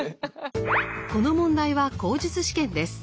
この問題は口述試験です。